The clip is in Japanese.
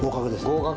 合格！